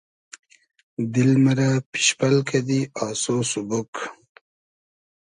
دیل مئرۂ پیشپئل کئدی آسۉ سوبوگ